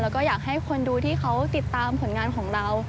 แล้วก็อยากให้คนดูที่เขาติดตามผลงานของเรา